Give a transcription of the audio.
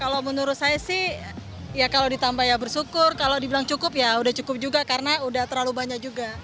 kalau menurut saya sih ya kalau ditambah ya bersyukur kalau dibilang cukup ya udah cukup juga karena udah terlalu banyak juga